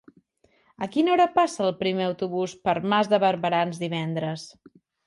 A quina hora passa el primer autobús per Mas de Barberans divendres?